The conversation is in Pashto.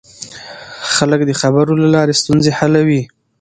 خلک د خبرو له لارې ستونزې حلوي